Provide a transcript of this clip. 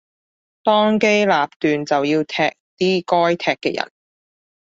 當機立斷就要踢啲該踢嘅人